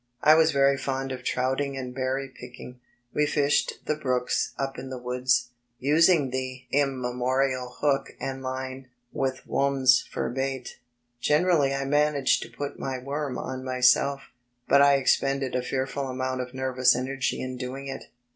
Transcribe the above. I was very fond of trouiing and berry picking. We fished die brooks up in the woods, using the immemorial hook and line, with "w'ums" for bait. Generally I managed to put my worm on myself, but I expended a fearful amount of nervous energy in doing it.